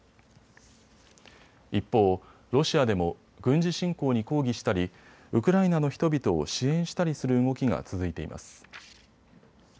一方、ロシアでも軍事侵攻に抗議したりウクライナの人々を支援したりする動きが続いています。